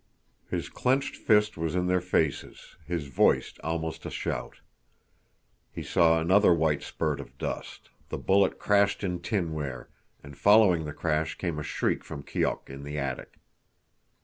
_" His clenched fist was in their faces, his voice almost a shout. He saw another white spurt of dust; the bullet crashed in tinware, and following the crash came a shriek from Keok in the attic.